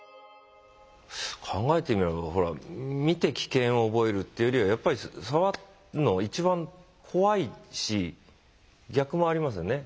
考えてみればほら見て危険を覚えるというよりはやっぱり触るのは一番怖いし逆もありますよね。